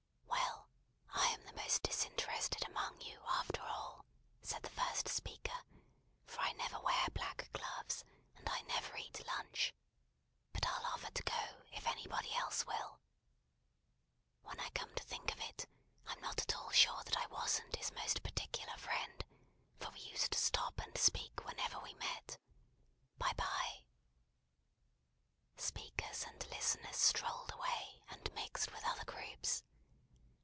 "Well, I am the most disinterested among you, after all," said the first speaker, "for I never wear black gloves, and I never eat lunch. But I'll offer to go, if anybody else will. When I come to think of it, I'm not at all sure that I wasn't his most particular friend; for we used to stop and speak whenever we met. Bye, bye!" Speakers and listeners strolled away, and mixed with other groups.